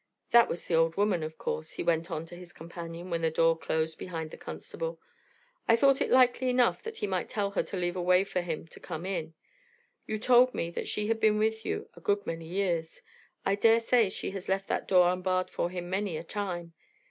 "That was the old woman, of course," he went on to his companion, when the door closed behind the constable. "I thought it likely enough that he might tell her to leave a way for him to come in. You told me that she had been with you a good many years. I dare say she has left that door unbarred for him many a time.